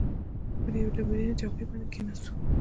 پر یوې ډبرینې چوکۍ باندې کښېناستو.